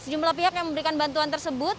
sejumlah pihak yang memberikan bantuan tersebut